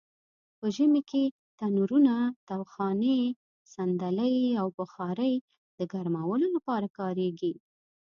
په ژمې کې تنرونه؛ تاوخانې؛ صندلۍ او بخارۍ د ګرمولو لپاره کاریږي.